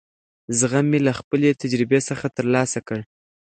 زغم مې له خپلې تجربې څخه ترلاسه کړ.